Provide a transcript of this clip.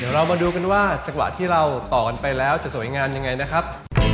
เรามาดูกันว่าจังหวะที่เราต่อกันไปแล้วจะสวยงามยังไงนะครับ